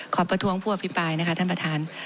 ประท้วงผู้อภิปรายนะคะท่านประธาน